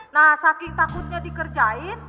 nah saking takutnya dikerjain